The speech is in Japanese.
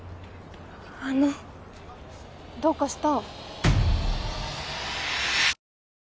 あのどうかした？